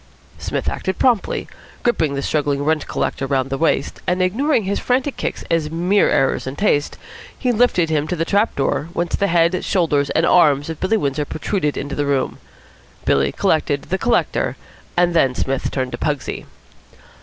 Psmith acted promptly. Gripping the struggling rent collector round the waist, and ignoring his frantic kicks as mere errors in taste, he lifted him to the trap door, whence the head, shoulders and arms of Billy Windsor protruded into the room. Billy collected the collector, and then Psmith turned to Pugsy.